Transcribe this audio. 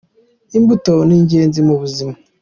Imbuto n'ingenzi mubuzima.